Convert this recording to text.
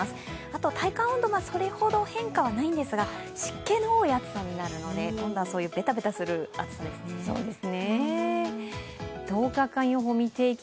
あと体感温度はそれほど変化はないんですが湿気の多い暑さになるのでベタベタします。